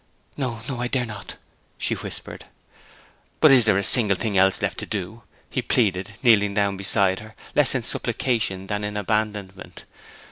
'No, no, I dare not!' she whispered. 'But is there a single thing else left to do?' he pleaded, kneeling down beside her, less in supplication than in abandonment.